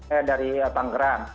eh dari tangerang